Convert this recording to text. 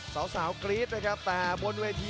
หัวจิตหัวใจแก่เกินร้อยครับ